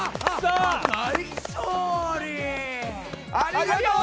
ありがとう！